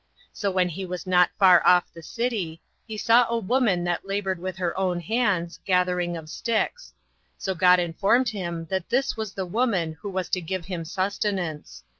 So when he was not far off the city, he saw a woman that labored with her own hands, gathering of sticks: so God informed him that this was the woman who was to give him sustenance.